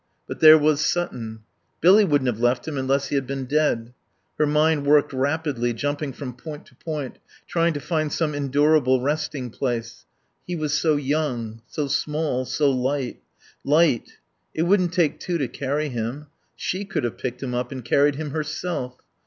But there was Sutton. Billy wouldn't have left him unless he had been dead. Her mind worked rapidly, jumping from point to point, trying to find some endurable resting place.... He was so young, so small, so light. Light. It wouldn't take two to carry him. She could have picked him up and carried him herself.